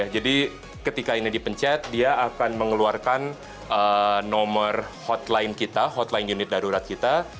jadi ketika ini dipencet dia akan mengeluarkan nomor hotline kita hotline unit darurat kita